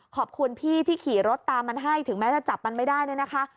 ขอบคุณพี่ที่ขี่รถตามมันให้ถึงแม้จะจับมันไม่ได้เนี่ยนะคะ